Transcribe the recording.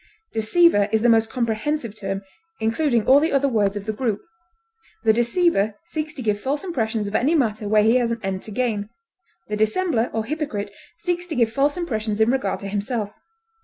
Deceiver is the most comprehensive term, including all the other words of the group. The deceiver seeks to give false impressions of any matter where he has an end to gain; the dissembler or hypocrite seeks to give false impressions in regard to himself.